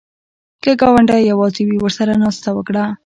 که ګاونډی یواځې وي، ورسره ناسته وکړه